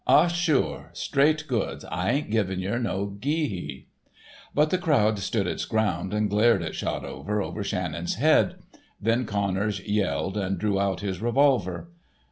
Ah, sure, straight goods. I ain't givin' yer no gee hee." But the crowd stood its ground and glared at Shotover over Shannon's head. Then Connors yelled and drew out his revolver.